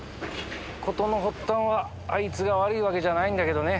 事の発端はあいつが悪いわけじゃないんだけどね。